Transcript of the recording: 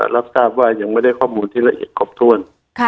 รับทราบว่ายังไม่ได้ข้อมูลที่ละเอียดครบถ้วน